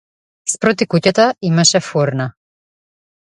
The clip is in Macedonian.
Спроти куќата имаше фурна.